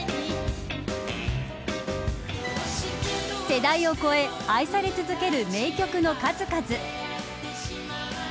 世代を超え愛され続ける名曲の数々。